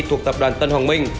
thuộc tập đoàn tân hoàng minh